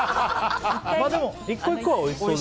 でも、１個１個はおいしそう。